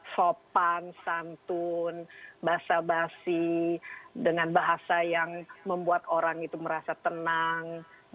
sopan santun basa basi dengan bahasa yang membuat orang itu merasa tenang